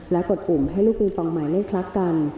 และกดปุ่มให้ลูกปิงปองหมายเลขพลักกัน